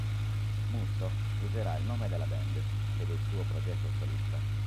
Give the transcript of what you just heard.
Musso userà il nome della band per il suo progetto solista.